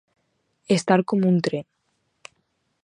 Estar com un tren.